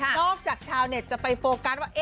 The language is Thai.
จากชาวเน็ตจะไปโฟกัสว่า